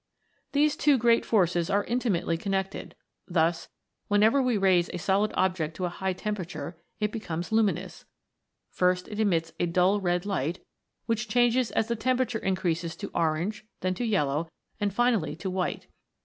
These two great forces are intimately connected ; thus, whenever we raise a solid object to a high temperature it becomes luminous ; first it emits a dull red light, which changes as the temperature increases to orange, then to yellow, and finally to full white.